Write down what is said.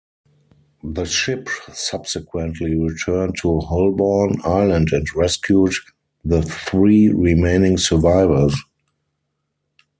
The ship subsequently returned to Holbourne Island and rescued the three remaining survivors.